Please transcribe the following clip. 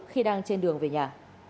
khi đang trên đường về nhà